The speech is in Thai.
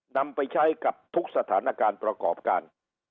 นำไปใช้กับทุกสถานการณ์ประกอบการ